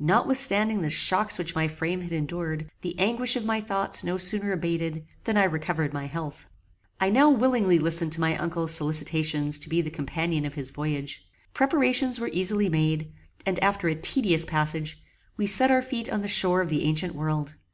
Notwithstanding the shocks which my frame had endured, the anguish of my thoughts no sooner abated than I recovered my health. I now willingly listened to my uncle's solicitations to be the companion of his voyage. Preparations were easily made, and after a tedious passage, we set our feet on the shore of the ancient world.